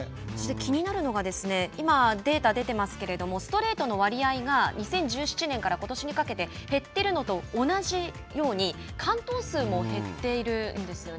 気になるのが今、データが出ていますけれども、ストレートの割合が２０１７年からことしにかけて減っているのと同じように、完投数も減っているんですよね。